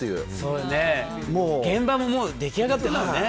現場も出来上がってるもんね。